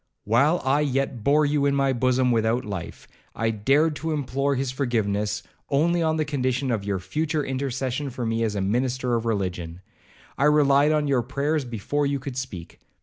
While I yet bore you in my bosom without life, I dared to implore his foregiveness only on the condition of your future intercession for me as a minister of religion. I relied on your prayers before you could speak.